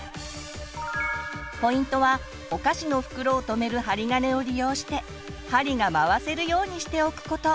ポイントはお菓子の袋をとめる針金を利用して針が回せるようにしておくこと。